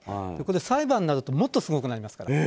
裁判になるともっとすごくなりますから。